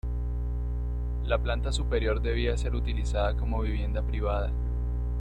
La planta superior debía ser utilizada como vivienda privada.